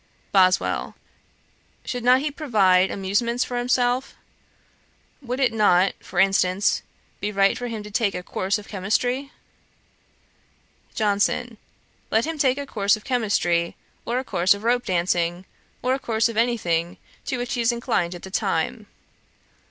BOSWELL. 'Should not he provide amusements for himself? Would it not, for instance, be right for him to take a course of chymistry?' JOHNSON. 'Let him take a course of chymistry, or a course of rope dancing, or a course of any thing to which he is inclined at the time.